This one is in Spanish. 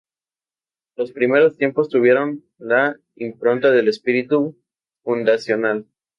Los primeros tiempos tuvieron la impronta del espíritu fundacional.